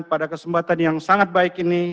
pada kesempatan yang sangat baik ini